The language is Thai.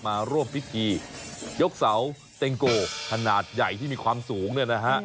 มาร่วมพิธียกเสาเต็งโกขนาดใหญ่ที่มีความสูงเนี่ยนะฮะ